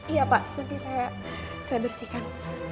iya pak seperti saya bersihkan